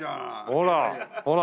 ほらほら。